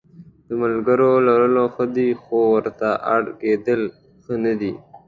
د ملګرو لرل ښه دي خو ورته اړ کېدل ښه نه دي.